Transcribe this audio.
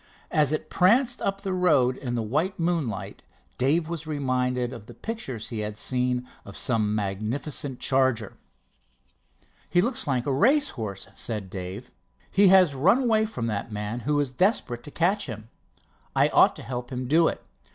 As it pranced up the road in the white moonlight, Dave was reminded of pictures he had seen of some magnificent charger. "He looks like a race horse," said Dave. "He has run away from that man, who is desperate to catch him. I ought to help him do it.